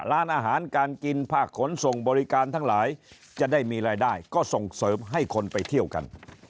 ร้านอาหารการกินภาคขนส่งบริการทั้งหลายจะได้มีรายได้ก็ส่งเสริมให้คนไปเที่ยวกัน